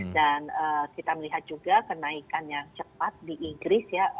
dan kita melihat juga kenaikan yang cepat di inggris ya